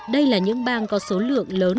đây là những bang có số lượng lớn